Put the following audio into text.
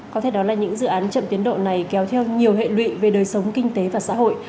có thể đó là những dự án chậm tiến độ này kéo theo nhiều hệ lụy về đời sống kinh tế và xã hội